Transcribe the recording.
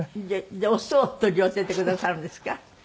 じゃあオスを取り寄せてくださるんですか？